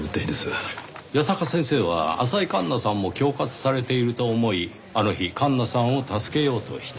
矢坂先生は浅井環那さんも恐喝されていると思いあの日環那さんを助けようとした。